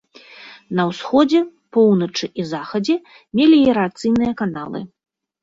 На ўсходзе, поўначы і захадзе меліярацыйныя каналы.